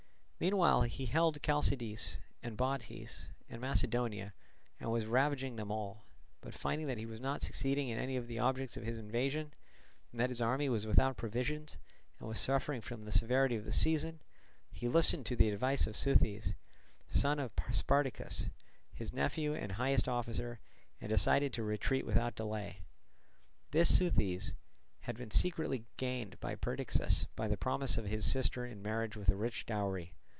Meanwhile he held Chalcidice and Bottice and Macedonia, and was ravaging them all; but finding that he was not succeeding in any of the objects of his invasion, and that his army was without provisions and was suffering from the severity of the season, he listened to the advice of Seuthes, son of Spardacus, his nephew and highest officer, and decided to retreat without delay. This Seuthes had been secretly gained by Perdiccas by the promise of his sister in marriage with a rich dowry.